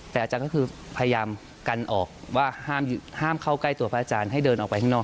แต่อาจารย์ก็คือพยายามกันออกว่าห้ามเข้าใกล้ตัวพระอาจารย์ให้เดินออกไปข้างนอก